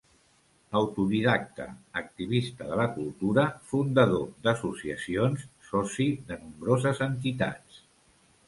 Autodidacta, activista de la cultura, fundador d'associacions, soci de nombroses entitats.